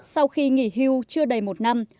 sau khi nghỉ hưu chưa đầy một năm